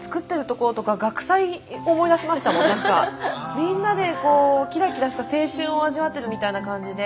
みんなでこうキラキラした青春を味わってるみたいな感じで。